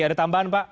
ada tambahan pak